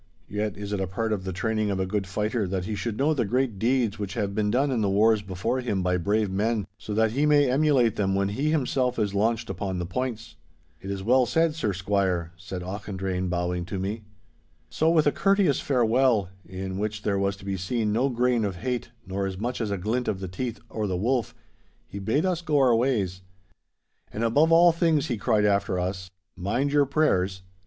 Yet is it a part of the training of a good fighter, that he should know the great deeds which have been done in the wars before him by brave men, so that he may emulate them when he himself is launched upon the points. 'It is well said, sir squire,' said Auchendrayne, bowing to me. So, with a courteous farewell, in which there was to be seen no grain of hate nor as much as a glint of the teeth or the wolf, he bade us go our ways. 'And, above all things, he cried after us, 'mind your prayers.